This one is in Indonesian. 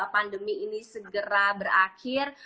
pandemi ini segera berakhir